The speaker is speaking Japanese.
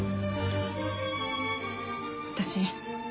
私